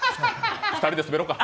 ２人でスベろうか。